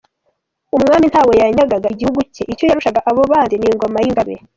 Umwami ntawe yanyagaga igihugu cye, icyoyarushaga abo bandi ni Ingoma y’Ingabe.